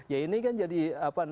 ya ini kan jadi seakan akan